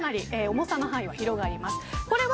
重さの範囲はかなり広がります。